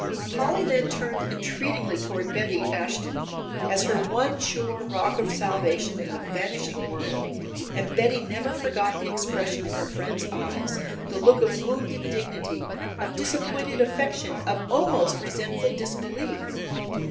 Polly then turned entreatingly toward Betty Ashton as her one sure rock of salvation in a vanishing world, and Betty never forgot the expression in her friend's eyes, the look of wounded dignity, of disappointed affection, of almost resentful disbelief.